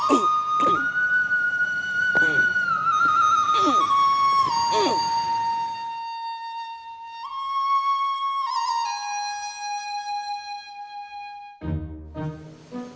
kalau cuma ngikut bata atau adukan aja sih bisa